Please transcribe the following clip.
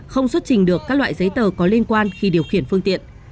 không xuất trình được các loại giấy tờ có liên quan khi điều khiển phương tiện